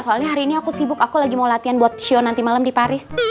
soalnya hari ini aku sibuk aku lagi mau latihan buat show nanti malam di paris